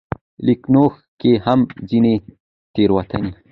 ليکنښو کې هم ځينې تېروتنې